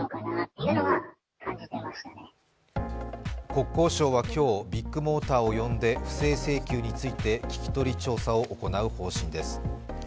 国交省は今日、ビッグモーターを呼んで、不正請求について聞き取り調査を行う方針です。